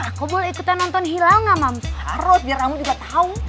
aku boleh ikutan nonton hilal gak mams harus biar kamu juga tahu